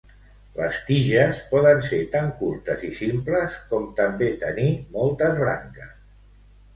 Les tiges poden ser tant curtes i simples com també tenir moltes branques.